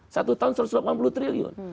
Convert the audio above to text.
satu tahun satu ratus delapan puluh triliun